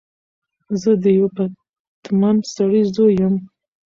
زه د یوه پتمن سړی زوی یم.